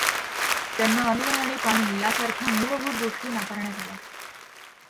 त्यांना अन्न आणि पाणी यासारख्या मूलभूत गोष्टी नाकारण्यात आल्या.